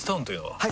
はい！